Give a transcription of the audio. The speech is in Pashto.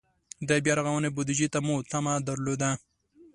د بیا رغونې بودجې ته مو تمه درلوده.